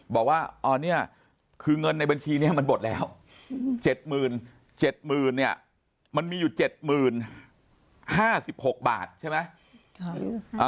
บอกว่าเนี่ยคือเงินในบัญชีนี้มันหมดแล้ว๗๗๐๐เนี่ยมันมีอยู่๗๐๕๖บาทใช่ไหม